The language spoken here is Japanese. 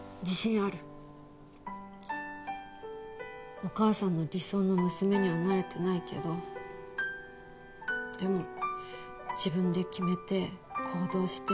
お母さんの理想の娘にはなれてないけどでも自分で決めて行動して楽しくやってる。